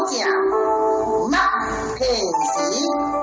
ภายเชี่ยว